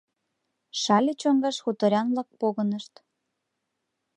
Шале чоҥгаш хуторян-влак погынышт.